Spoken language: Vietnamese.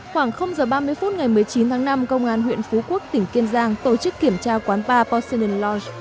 khoảng h ba mươi phút ngày một mươi chín tháng năm công an huyện phú quốc tỉnh kiên giang tổ chức kiểm tra quán ba porcelain lodge